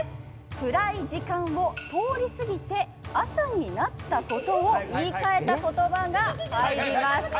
暗い時間を通り過ぎて朝になったことを言い換えた言葉が入ります。